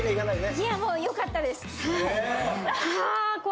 いやもうよかったです。